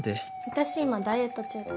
私今ダイエット中で。